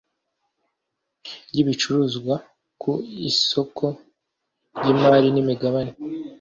ry ibicuruzwa ku iosko ry imari n imgabane